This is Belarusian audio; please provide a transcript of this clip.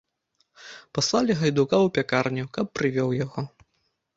Паслалі гайдука ў пякарню, каб прывёў яго.